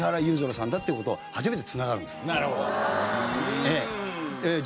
なるほど。